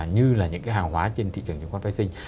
như là những cái hàng hóa trên thị trường chứng khoán phái xích